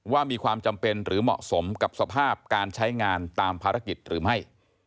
มีความจำเป็นหรือเหมาะสมกับสภาพการใช้งานตามภารกิจหรือไม่